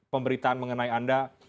pemberitaan mengenai anda